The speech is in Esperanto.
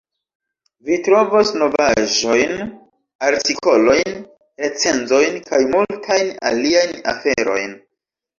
Vi trovos novaĵojn, artikolojn, recenzojn kaj multajn aliajn aferojn.